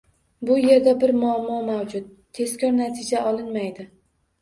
Bu yerda bir muammo mavjud – tezkor natija olinmaydi.